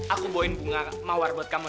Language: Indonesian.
aku boy bunga mawar buat kamu